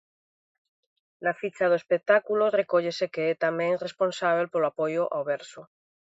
Na ficha do espectáculo recóllese que é tamén responsábel polo Apoio ao verso.